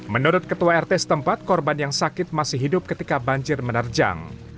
menurut ketua rt setempat korban yang sakit masih hidup ketika banjir menerjang